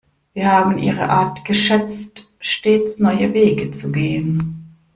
Wir haben ihre Art geschätzt, stets neue Wege zu gehen.